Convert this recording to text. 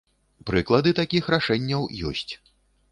Прыклады такіх рашэнняў ёсць.